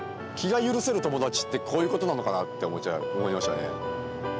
気が許せる友達ってこういうことなのかなって思いましたね。